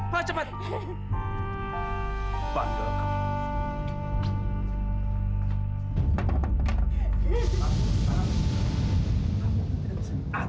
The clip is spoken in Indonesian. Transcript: kamu masuk kamar cepat